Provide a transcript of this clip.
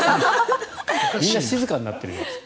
みんな静かになっている。